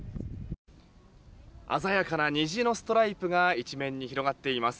鮮やかな虹のストライプが一面に広がっています。